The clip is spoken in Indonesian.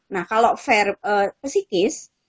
nah kalau fisikis